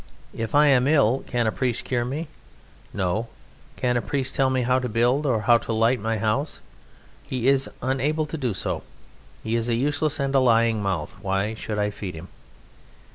If I am ill, can a priest cure me? No. Can a priest tell me how to build, or how to light my house? He is unable to do so. He is a useless and a lying mouth, why should I feed him?"